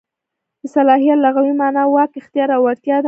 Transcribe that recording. د صلاحیت لغوي مانا واک، اختیار او وړتیا ده.